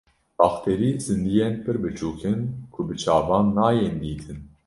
Bakterî zindiyên pir biçûk in ku bi çavan nayên dîtin.